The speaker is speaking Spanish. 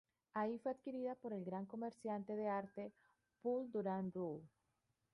Ahí fue adquirida por el gran comerciante de arte Paul Durand-Ruel.